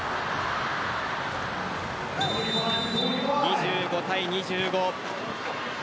２５対２５。